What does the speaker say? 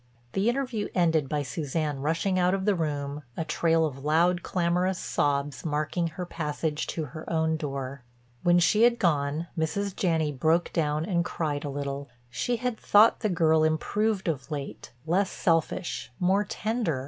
The interview ended by Suzanne rushing out of the room, a trail of loud, clamorous sobs marking her passage to her own door. When she had gone Mrs. Janney broke down and cried a little. She had thought the girl improved of late, less selfish, more tender.